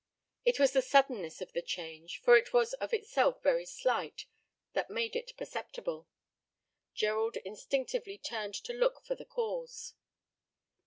It was the suddenness of the change, for it was of itself very slight, that made it perceptible. Gerald instinctively turned to look for the cause.